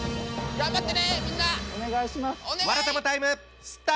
頑張って！